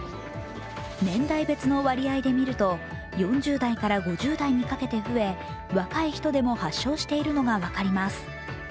年代別の割合で見ると４０代から５０代にかけて増え若い人でも発症しているのが分かります。